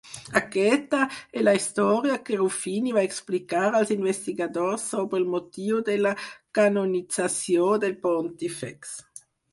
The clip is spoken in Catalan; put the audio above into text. Aquesta és la història que Ruffini va explicar als investigadors sobre el motiu de la canonització del pontífex.